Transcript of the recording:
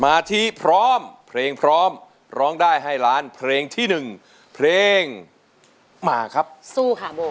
มาที่พร้อมเพลงพร้อมร้องได้ให้ล้านเพลงที่หนึ่งเพลงมาครับสู้ค่ะโบ